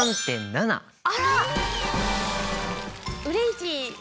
うれしい！